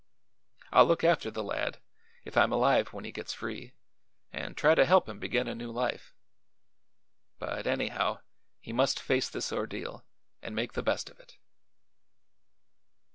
I'll look after the lad, if I'm alive when he gets free, and try to help him begin a new life; but, anyhow, he must face this ordeal and make the best of it."